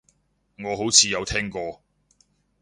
我好似有聽過